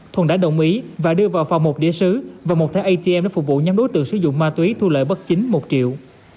thuần đã đồng ý và đưa vào phòng một đĩa xứ và một thẻ atm để phục vụ nhóm đối tượng sử dụng ma túy thu lợi bất chính một triệu